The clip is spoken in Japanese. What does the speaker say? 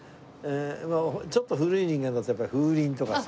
ちょっと古い人間だとやっぱり風鈴とかさ。